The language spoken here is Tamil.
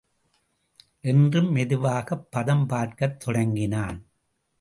என்று மெதுவாகப் பதம் பார்க்கத் தொடங்கினான்.